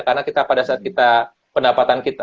karena pada saat kita pendapatan kita